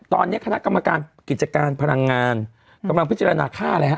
ตอนนี้คณะกรรมการกิจการพลังงานกำลังพิจารณาค่าอะไรฮะ